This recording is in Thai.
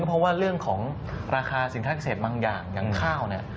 เพราะว่าเรื่องของราคาสินค้าเกษตรบางอย่างอย่างข้าวเนี่ย